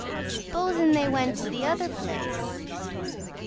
"S'posen they went to the other place?"